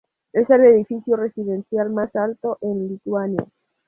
Es el edificio residencial más alto en Lituania.